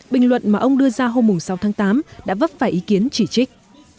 bình luận mà ông đưa ra hôm sáu tháng tám đã vấp phải ý kiến chỉ trích